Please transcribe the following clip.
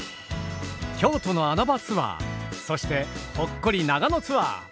京都の穴場ツアーそしてほっこり長野ツアー。